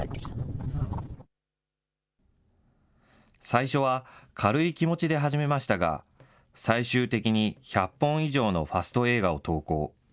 最初は、軽い気持ちで始めましたが、最終的に１００本以上のファスト映画を投稿。